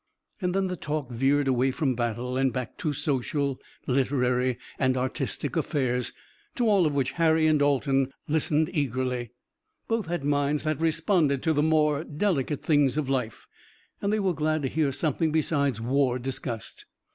Then the talk veered away from battle and back to social, literary and artistic affairs, to all of which Harry and Dalton listened eagerly. Both had minds that responded to the more delicate things of life, and they were glad to hear something besides war discussed.